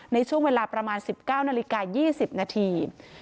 ในช่วงเวลาประมาณ๑๙นาฬิกา๒๐นาที